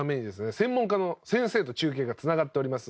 専門家の先生と中継がつながっております。